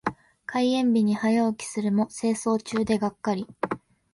開園日に早起きするも清掃中でがっかり。